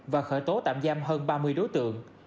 và khởi tố tạm giam hơn ba mươi đối tượng